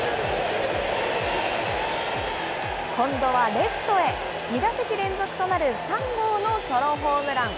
今度はレフトへ、２打席連続となる３号のソロホームラン。